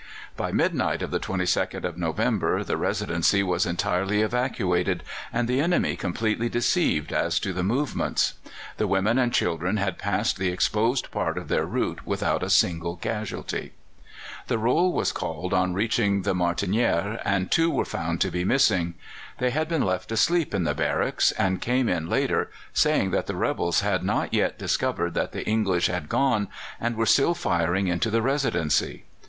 By midnight of the 22nd of November the Residency was entirely evacuated, and the enemy completely deceived as to the movements. The women and children had passed the exposed part of their route without a single casualty. The roll was called on reaching the Martinière, and two were found to be missing. They had been left asleep in the barracks, and came in later, saying that the rebels had not yet discovered that the English had gone and were still firing into the Residency.